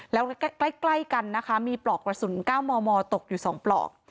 แล้วใกล้กันนะคะมีปลอกกระสุน๙มมตกอยู่๒ปลอก